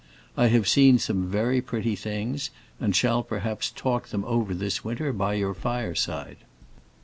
I have seen some very pretty things, and shall perhaps talk them over this winter, by your fireside.